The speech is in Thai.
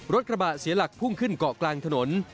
รถกระบะเสียหลักพุ่งขึ้นเกาะกลางถนน